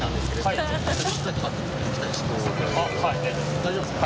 大丈夫ですか？